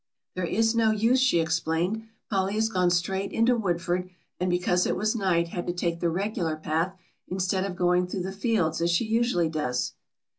"There is no use," she explained, "Polly has gone straight into Woodford and because it was night had to take the regular path instead of going through the fields as she usually does."